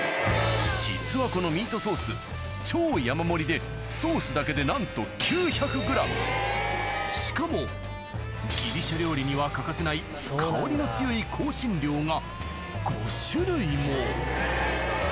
実はこのミートソース超山盛りでソースだけでなんとしかもギリシャ料理には欠かせない香りの強いおぉふぅ。